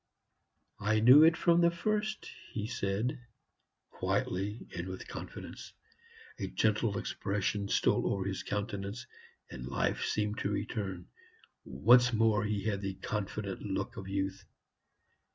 "I knew it from the first," he said, quietly and with confidence. A gentle expression stole over his countenance, and life seemed to return. Once more he had the confident look of youth.